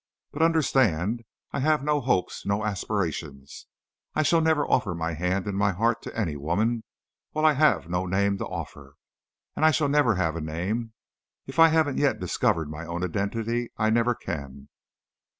But, understand, I have no hopes, no aspirations. I shall never offer my hand and heart to any woman while I have no name to offer. And I shall never have a name. If I haven't yet discovered my own identity I never can.